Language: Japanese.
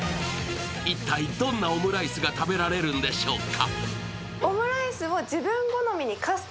一体、どんなオムライスが食べられるんでしょうか。